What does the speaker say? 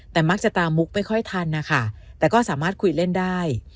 แต่มักจะตามุกไม่ค่อยทันนะคะแต่ก็สามารถคุยเล่นได้